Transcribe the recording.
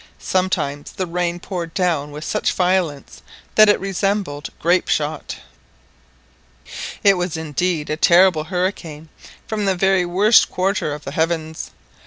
Sometimes the rain poured down with such violence that it resembled grape shot. It was indeed a terrible hurricane from the very worst quarter of the heavens.